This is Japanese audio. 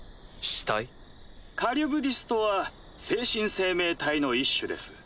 カリュブディスとは精神生命体の一種です。